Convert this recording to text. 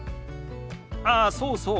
ああそうそう。